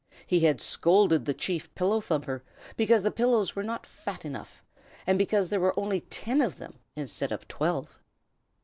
He had scolded the Chief Pillow thumper because the pillows were not fat enough, and because there were only ten of them instead of twelve.